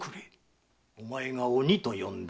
おまえが「鬼」と呼んだ